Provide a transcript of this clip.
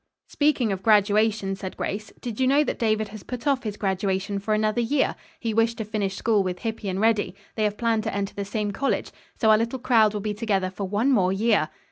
"Speaking of graduation," said Grace, "did you know that David has put off his graduation for another year! He wished to finish school with Hippy and Reddy. They have planned to enter the same college. So our little crowd will be together for one more year."